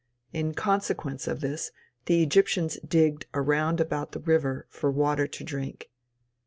In consequence of this, the Egyptians digged "around about the river" for water to drink.